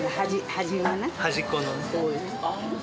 端っこのね。